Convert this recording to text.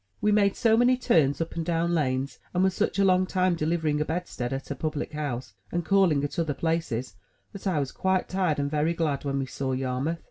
We made so many turns up and down lanes, and were such a long time delivering a bedstead at a public house, and calling kt other places, that I was quite tired, and very glad, when we saw Yarmouth.